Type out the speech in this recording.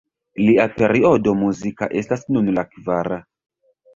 Lia periodo muzika estas nun la kvara.